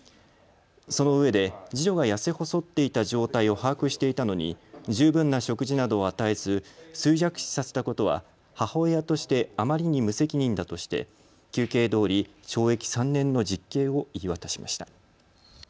そのうえで次女が痩せ細っていた状態を把握していたのに十分な食事などを与えず衰弱死させたことは母親としてあまりに無責任だとして求刑どおり、懲役３年の実刑を言い渡しました。